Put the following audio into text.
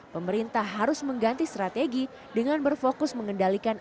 pemerintah harus mengganti strategi dengan berfokus mengendalikan